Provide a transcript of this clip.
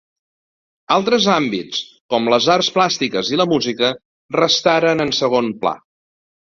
Altres àmbits com les arts plàstiques i la música restaren en segon pla.